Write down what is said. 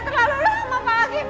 terlalu lama pak hakim